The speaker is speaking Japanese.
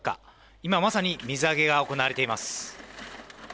今まさに水揚げが行われています。